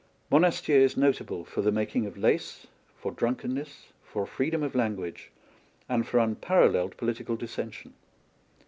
Monastier is notable for the making of lace, for drunkenness, for freedom of language, and for unparalleled political dissension.